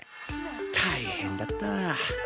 大変だったわ。